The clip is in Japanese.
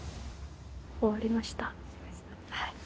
終わりました。